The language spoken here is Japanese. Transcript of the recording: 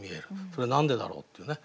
それ何でだろうっていうね。